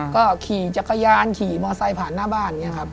ก็ขี่จักรยานขี่มอไซค์ผ่านหน้าบ้าน